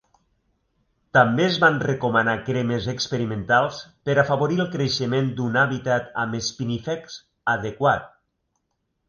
També es van recomanar cremes experimentals per afavorir el creixement d'un hàbitat amb "spinifex" adequat.